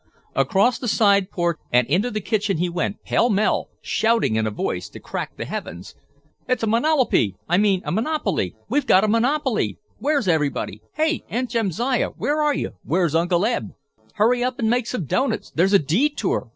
Across the side porch and into the kitchen he went, pell mell, shouting in a voice to crack the heavens. "It's a monolopy—I mean a monopoly! We've got a monopoly! Where's everybody? Hey, Aunt Jamsiah, where are you? Where's Uncle Eb? Hurry up and make some doughnuts? There's a detour!